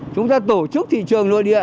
chúng ta tổ chức thị trường nội địa